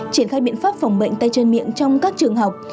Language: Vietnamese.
triển khai biện pháp phòng bệnh tay chân miệng trong các trường học